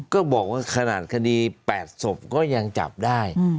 ก็บอกว่าขนาดคดี๘ศพก็ยังจับได้